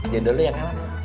jodohnya yang mana